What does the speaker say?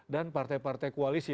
dan partai partai koalisi